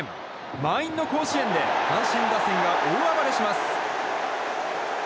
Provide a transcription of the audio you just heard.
満員の甲子園で阪神打線が大暴れします。